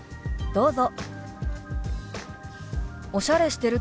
どうぞ。